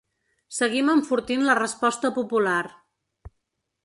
Seguim enfortint la resposta popular.